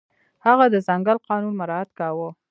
هغه د ځنګل قانون مراعت کاوه.